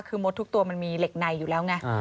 คือมดทุกตัวมันมีเหล็กในอยู่แล้วไง